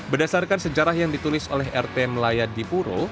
berdasarkan sejarah yang ditulis oleh rt melayadi puro